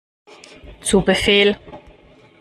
Zu Befehl!